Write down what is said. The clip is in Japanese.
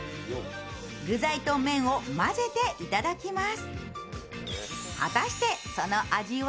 具材と麺を混ぜていただきます。